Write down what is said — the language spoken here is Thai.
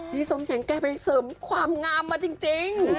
พี่ส่วนเช้งแกไปเสริมความงามอะจริง